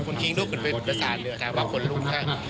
คุณคิงลุคผมเป็นมูลประสาทเลยครับว่าคนลุคค่ะ